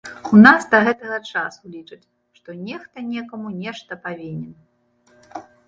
У нас да гэтага часу лічаць, што нехта некаму нешта павінен.